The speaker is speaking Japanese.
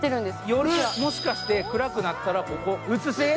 夜、もしかして暗くなったら映せる？